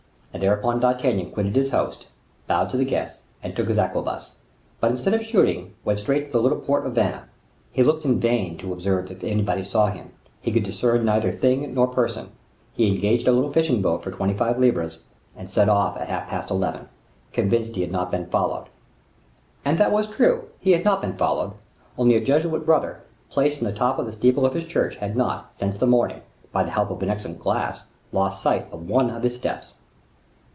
And thereupon D'Artagnan quitted his host, bowed to the guests, and took his arquebus; but instead of shooting, went straight to the little port of Vannes. He looked in vain to observe if anybody saw him; he could discern neither thing nor person. He engaged a little fishing boat for twenty five livres, and set off at half past eleven, convinced that he had not been followed; and that was true, he had not been followed; only a Jesuit brother, placed in the top of the steeple of his church, had not, since the morning, by the help of an excellent glass, lost sight of one of his steps.